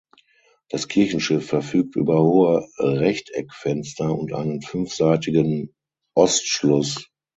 Das Kirchenschiff verfügt über hohe Rechteckfenster und einen fünfseitigen Ostschluss.